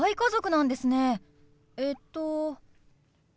えっと？